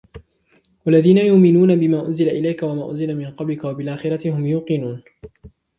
وَالَّذِينَ يُؤْمِنُونَ بِمَا أُنْزِلَ إِلَيْكَ وَمَا أُنْزِلَ مِنْ قَبْلِكَ وَبِالْآخِرَةِ هُمْ يُوقِنُونَ